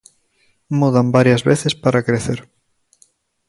Mudan varias veces para crecer.